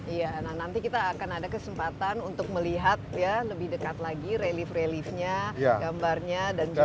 iya nanti kita akan ada kesempatan untuk melihat ya lebih dekat lagi relief reliefnya gambarnya dan juga